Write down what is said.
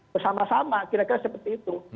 bersama sama kira kira seperti itu